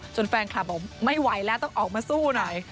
แฟนคลับบอกไม่ไหวแล้วต้องออกมาสู้หน่อย